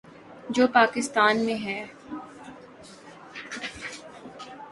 جو پاکستان میں ہے۔